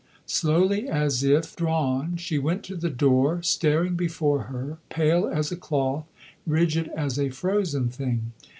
Slowly as if drawn she went to the door, staring before her, pale as a cloth, rigid as a frozen thing.